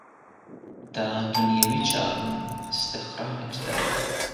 دا دنیوي چارو استخراج ده.